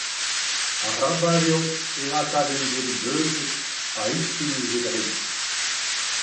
Arabat eo lakaat an den beuzet a-ispilh ouzh e dreid.